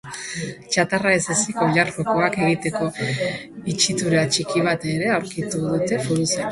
Txatarra ez ezik, oilar-jokoak egiteko itxitura txiki bat ere aurkitu zuten foruzainek.